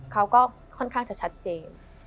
เขาก็ค่อนข้างจะชัดเจน